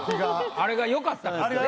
あれがよかったから。